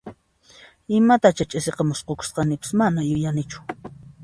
Imatachá ch'isiqa musqhukusqanipas, mana yuyanichu